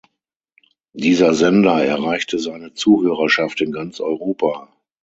Dieser Sender erreichte seine Zuhörerschaft in ganz Europa.